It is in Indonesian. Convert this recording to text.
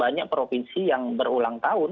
banyak provinsi yang berulang tahun